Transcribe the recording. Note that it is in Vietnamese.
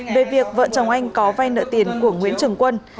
về việc vợ chồng anh có vay nợ tiền của nguyễn trường quân